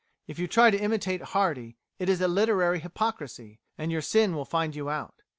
If you try to imitate Hardy it is a literary hypocrisy, and your sin will find you out.